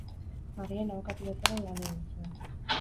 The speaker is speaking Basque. Madrilen abokatu bezala lan egin zuen.